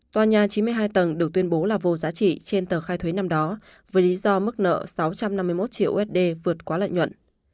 tòa nhà chín mươi hai tầng được tuyên bố là vô giá trị trên tờ khai thuế năm đó với lý do mức nợ sáu trăm năm mươi một triệu usd vượt quá lợi nhuận